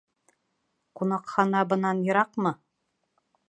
Ҡунаҡхана бынан йыраҡмы?